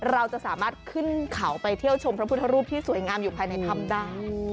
เราจะสามารถขึ้นเขาไปเที่ยวชมพระพุทธรูปที่สวยงามอยู่ภายในถ้ำได้